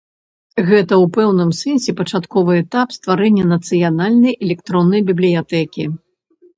Гэта ў пэўным сэнсе пачатковы этап стварэння нацыянальнай электроннай бібліятэкі.